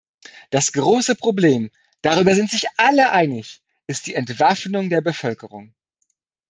Das große Problem, darüber sind sich alle einig, ist die Entwaffnung der Bevölkerung.